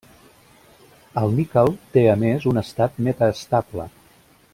El níquel té a més un estat metaestable.